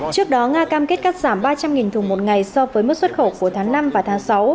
trước đó nga cam kết cắt giảm ba trăm linh thùng một ngày so với mức xuất khẩu của tháng năm và tháng sáu